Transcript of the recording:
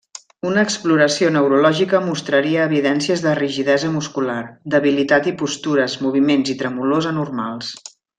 Una exploració neurològica mostraria evidències de rigidesa muscular, debilitat i postures, moviments i tremolors anormals.